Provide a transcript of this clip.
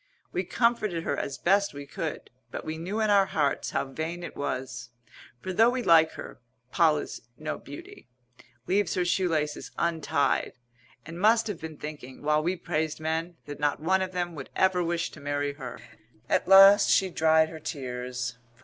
We comforted her as best we could; but we knew in our hearts how vain it was. For though we like her, Poll is no beauty; leaves her shoe laces untied; and must have been thinking, while we praised men, that not one of them would ever wish to marry her. At last she dried her tears.